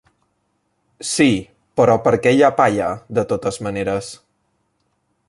Sí, però per què hi ha palla, de totes maneres?